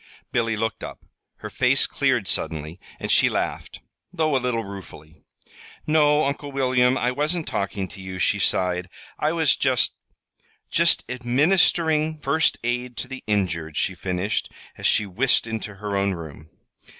Billy looked up. Her face cleared suddenly, and she laughed though a little ruefully. "No, Uncle William, I wasn't talking to you," she sighed. "I was just just administering first aid to the injured," she finished, as she whisked into her own room.